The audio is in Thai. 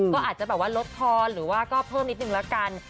ก็อาจจะแบบว่าลดทอนหรือว่าก็เพิ่มนิดนึงละกัน